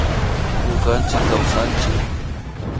Ñukanchik kawsanchik